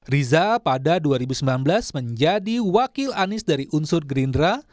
riza pada dua ribu sembilan belas menjadi wakil anies dari unsur gerindra